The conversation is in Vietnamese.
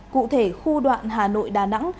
cụ thể khu đoạn hà nội đà nẵng